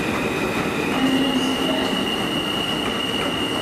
Aman ṣfan.